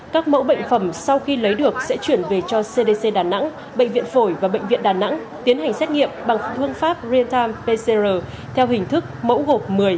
các mẫu bệnh phẩm sau khi lấy được sẽ chuyển về cho cdc đà nẵng bệnh viện phổi và bệnh viện đà nẵng tiến hành xét nghiệm bằng phương pháp real time pcr theo hình thức mẫu gộp một mươi